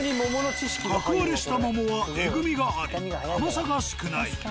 核割れした桃はえぐみがあり甘さが少ない。